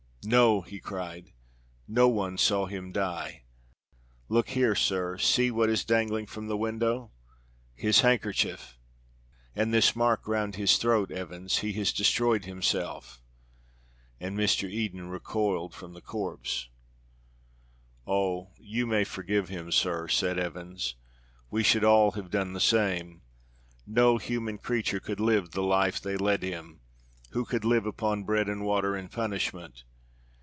"No!" he cried. "No one saw him die. Look here, sir. See what is dangling from the window his handkerchief." "And this mark round his throat, Evans. He has destroyed himself." And Mr. Eden recoiled from the corpse. "Oh! you may forgive him, sir," said Evans. "We should all have done the same. No human creature could live the life they led him. Who could live upon bread and water and punishment?